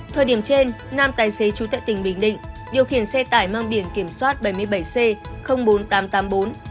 thời điểm trên nam tài xế trú tại tỉnh bình định điều khiển xe tải mang biển kiểm soát bảy mươi bảy c bốn nghìn tám trăm tám mươi bốn